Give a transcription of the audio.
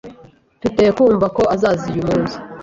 Mfite kumva ko azaza uyu munsi.